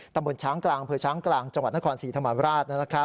ตำบลช้างกลางอำเภอช้างกลางจังหวัดนครศรีธรรมราช